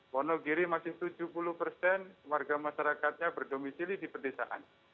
wonogiri masih tujuh puluh persen warga masyarakatnya berdomisili di pedesaan